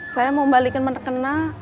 saya mau balikin menerkena